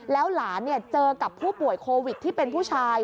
แล้วหลานเจอกับผู้ป่วยโควิดที่เป็นผู้ชาย